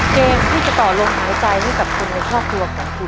เกมที่จะต่อลมหายใจให้กับคนในครอบครัวของคุณ